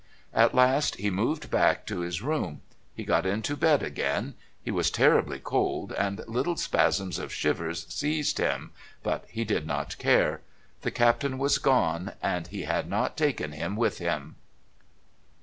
At last he moved back to his room. He got into bed again. He was terribly cold, and little spasms of shivers seized him, but he did not care. The Captain was gone, and he had not taken him with him...